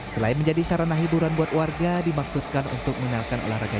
selain menjadi sarana hiburan buat warga dimaksudkan untuk mengenalkan olahraga